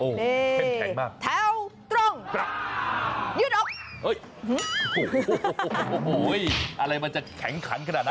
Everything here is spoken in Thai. แข็งมากนี่แถวตรงยืดออกโอ้ยโอ้ยอะไรมันจะแข็งขันขนาดนั้น